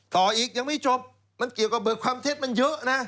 ต่ออีกยังไม่จบมันเกี่ยวกับเบิกความเท็จมันเยอะนะ